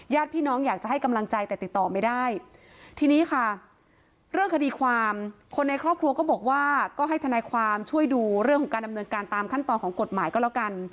ญาติพี่น้องอยากจะให้กำลังใจแต่ติดต่อไม่ได้ทีนี้ค่ะเรื่องคดีความคนในครอบครัวก็บอกว่าก็ให้ทนายความช่วยดูเรื่องของการดำเนินการตามขั้นตอนของกฎหมายก็แล้วกัน